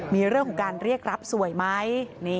มีเรื่องของการเรียกรับสวยไหม